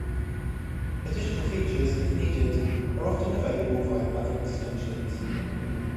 Additional features, if needed, are often available via other extensions.